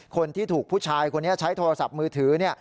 คนที่ถูกผู้ชายคนนี้ใช้โทรศัพท์มือถือ